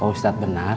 pak ustadz benar